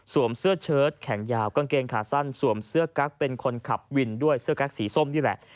เสื้อเชิดแขนยาวกางเกงขาสั้นสวมเสื้อกั๊กเป็นคนขับวินด้วยเสื้อกั๊กสีส้มนี่แหละ